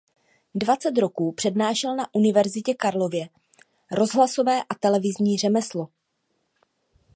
Dvacet roků přednášel na Universitě Karlově rozhlasové a televizní řemeslo.